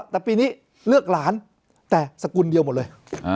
แต่ปีนี้เลือกหลานแต่สกุลเดียวหมดเลย